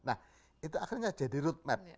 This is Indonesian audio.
nah itu akhirnya jadi roadmap